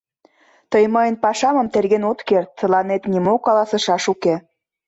— Тый мыйын пашамым терген от керт, тыланет нимо каласышаш уке.